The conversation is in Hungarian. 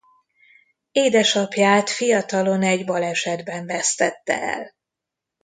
Édesapját fiatalon egy balesetben vesztette el.